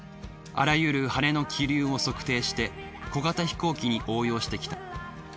あらゆるハネの気流を測定して小型飛行機に応用してきた。